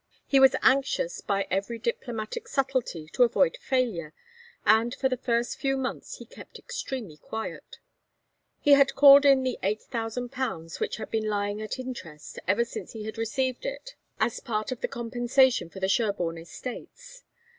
He was anxious by every diplomatic subtlety to avoid failure, and for the first few months he kept extremely quiet. He had called in the 8,000_l._ which had been lying at interest ever since he had received it as part of the compensation for the Sherborne estates.